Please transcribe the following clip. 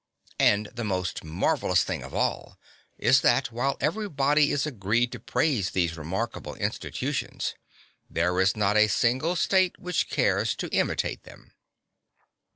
And the most marvellous thing of all is that, while everybody is agreed to praise these remarkable institutions, there is not a single state which cares to imitate them.